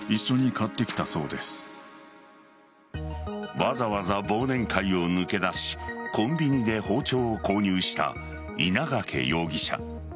わざわざ忘年会を抜け出しコンビニで包丁を購入した稲掛容疑者。